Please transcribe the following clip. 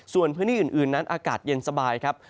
ส่วนพื้นที่อื่นนั้นอากาศเย็นสบายครับ